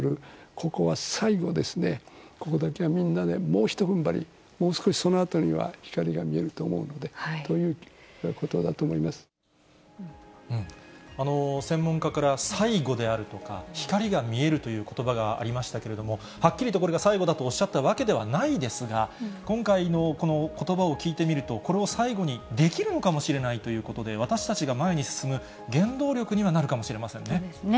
ここは最後ですね、ここだけはみんなで、もうひとふんばり、もう少しそのあとには光が見えると思うのでといったことだと思い専門家から最後であるとか、ひかりが見えるということばがありましたけれども、はっきりとこれが最後だとおっしゃったわけではないですが、今回のこのことばを聞いてみると、これを最後にできるのかもしれないということで、私たちが前に進む原動力にはなるかもしれませんね。